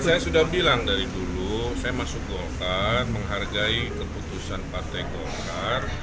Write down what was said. saya sudah bilang dari dulu saya masuk golkar menghargai keputusan partai golkar